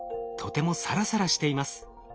とてもサラサラしています。